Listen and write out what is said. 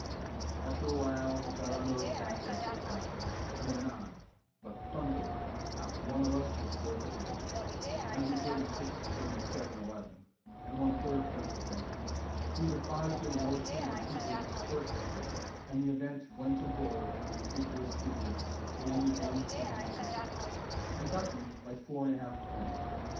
After a while we got our nerve back after a fashion, and went on, but, thunder! not one of us was worth a hang. I did thirty six and thirty seven, eleven, and won third place at that. Neither Fosgill nor Tanner equaled his first records and the event went to Bull at the ridiculous figures of forty one, ten and a half. We got the meet by four and a half points.